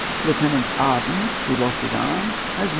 Lieutenant Arden, who lost his arm, has 9£.